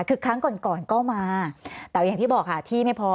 คือครั้งก่อนก่อนก็มาแต่อย่างที่บอกค่ะที่ไม่พอ